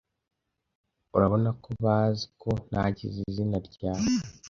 Urabona ko bazi ko ntagize izina ryawe,